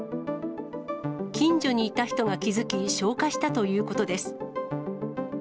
近所にいた人が気付き、消火したということです。